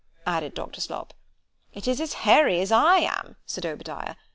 —added Dr. Slop—— ——It is as hairy as I am; said _Obadiah.